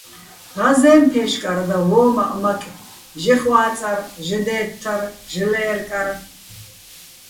ღაზეჼ ფე́შკარ და, ვო́მაჸ მაკე̆: ჟეხ ვა́წარ, ჟე დე́თთარ, ჟე ლე́რკარ.